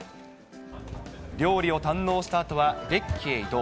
料理を堪能したあとは、デッキへ移動。